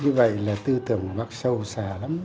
như vậy là tư tưởng của bác sâu xà lắm